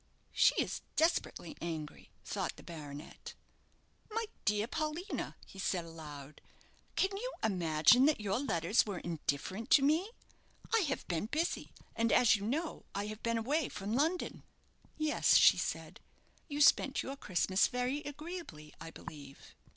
"She is desperately angry," thought the baronet. "My dear Paulina," he said, aloud, "can you imagine that your letters were indifferent to me? I have been busy, and, as you know, I have been away from London." "Yes," she said; "you spent your Christmas very agreeably, I believe."